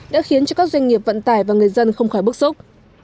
đã khiến cho các doanh nghiệp vận tải và người dân không khỏi bức xúc